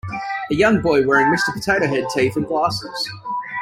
A young boy wearing Mr. Potato Head teeth and glasses.